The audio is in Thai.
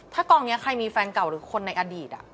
ถ้ากองนี้ใครมีแฟนเก่าหรือคนในอดีต